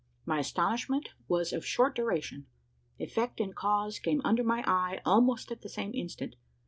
My astonishment was of short duration. Effect and cause came under my eye almost at the same instant.